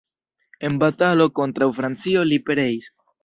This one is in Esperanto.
En batalo kontraŭ Francio li pereis.